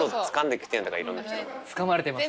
つかまれてます